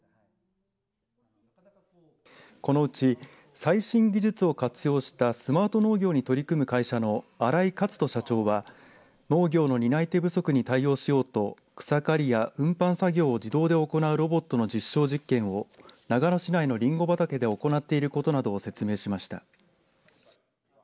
このうち最新技術を活用したスマート農業に取り組む会社の荒井克人社長は農業の担い手不足に対応しようと草刈りや運搬作業を自動で行うロボットの実証実験を長野市内のりんご畑で行っていることなどを説明しました。